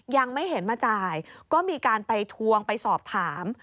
ยังไม่เห็นมาจ่ายก็มีการไปทวงไปสอบถาม